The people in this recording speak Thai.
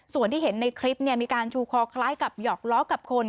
ส่วนที่เห็นในคลิปมีการชูคอคล้ายกับหยอกล้อกับคน